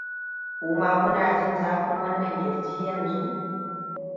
kuma kuna jin zafin wannan kirji yanzu?